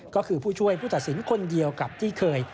ก็คือผู้ช่วยผู้ตัดสินคนเดียวกับที่เคย